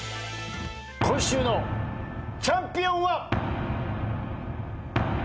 今週のチャンピオンは。